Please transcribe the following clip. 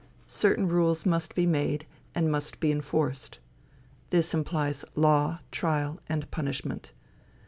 Certain rules must be made, and must be enforced. This implies law, trial and punishment.